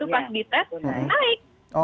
dan aku pun hari itu pas di tes naik